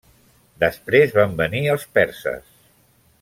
Després van venir els perses.